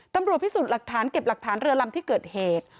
ตำรวจพิสูจน์หลักฐานเก็บหลักฐานเรือลำที่เกิดเหตุ